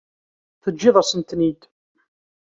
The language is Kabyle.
Teǧǧiḍ-as-tent-id.